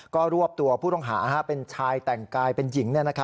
ก็รวบตัวผู้ต้องหาเป็นชายแต่งกายเป็นหญิง